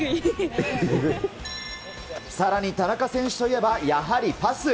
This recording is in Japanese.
さらに田中選手といえば、やはりパス。